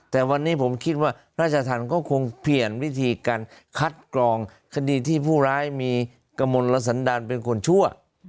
แต่วันนี้ผมคิดว่าราชธรรมก็คงเปลี่ยนวิธีการคัดกรองคดีที่ผู้ร้ายมีกระมวลสันดาลเป็นคนชั่ว